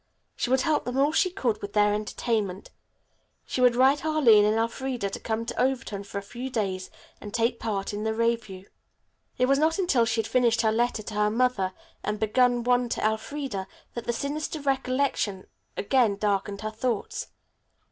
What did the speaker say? She would help them all she could with their entertainment. She would write Arline and Elfreda to come to Overton for a few days and take part in the revue. It was not until she had finished her letter to her mother and begun one to Elfreda that the sinister recollection again darkened her thoughts.